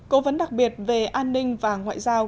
cố vấn đặc biệt về an ninh và ngoại giao